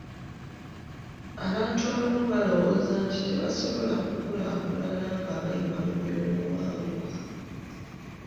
Abantu abamu balowooza nti tebasobola kukulaakulana nga bayima mu by'obuwangwa.